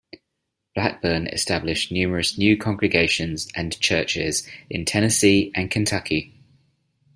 Blackburn established numerous new congregations and churches in Tennessee and Kentucky.